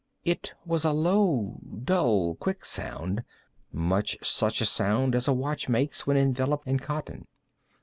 It was a low, dull, quick sound—much such a sound as a watch makes when enveloped in cotton.